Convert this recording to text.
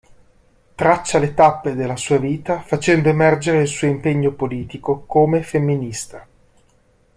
Traccia le tappe della sua vita facendo emergere il suo impegno politico come femminista.